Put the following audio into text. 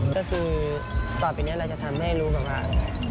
ก็คือต่อไปนี้เราจะทำให้รู้แบบว่า